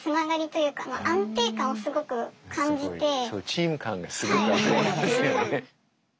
チーム感がすごくあるんですよね。